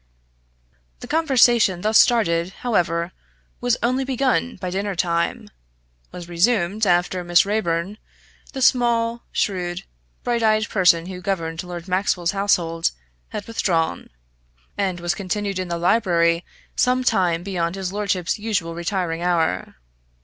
The conversation thus started, however, was only begun by dinner time; was resumed after Miss Raeburn the small, shrewd, bright eyed person who governed Lord Maxwell's household had withdrawn; and was continued in the library some time beyond his lordship's usual retiring hour.